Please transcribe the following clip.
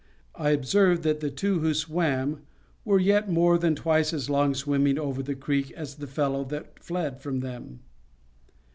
I observed that the two who swam were yet more than twice as long swimming over the creek as the fellow was that fled from them.